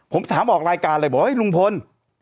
ผมถามออกรายการเลยบอกว่าลุงพล